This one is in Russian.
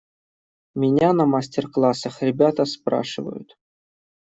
Меня на мастер-классах ребята спрашивают.